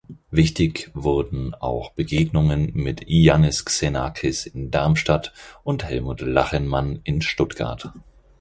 Wichtig wurden auch Begegnungen mit Iannis Xenakis in Darmstadt und Helmut Lachenmann in Stuttgart.